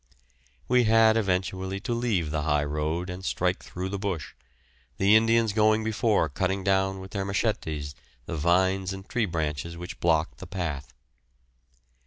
We had eventually to leave the high road and strike through the bush, the Indians going before cutting down with their machettes the vines and tree branches which blocked the path.